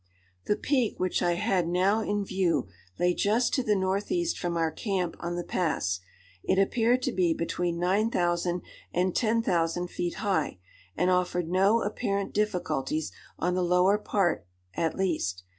The peak which I had now in view lay just to the northeast from our camp on the pass. It appeared to be between 9000 and 10,000 feet high, and offered no apparent difficulties, on the lower part at least.